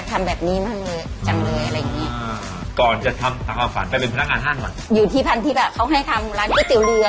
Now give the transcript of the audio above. แต่ของเขาทำอะไรเลย